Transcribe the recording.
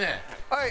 はい！